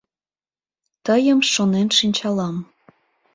Тыйым шонен шинчалам